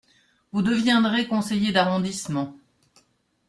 Vous deviendrez conseiller d’arrondissement.